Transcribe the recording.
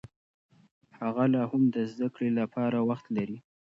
هغه لا هم د زده کړې لپاره وخت لري.